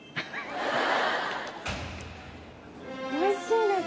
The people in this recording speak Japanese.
おいしいです。